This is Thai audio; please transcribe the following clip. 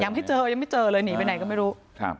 ยังไม่เจอยังไม่เจอเลยหนีไปไหนก็ไม่รู้